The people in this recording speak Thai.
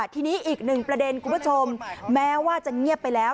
ทีนี้อีกหนึ่งประเด็นคุณผู้ชมแม้ว่าจะเงียบไปแล้ว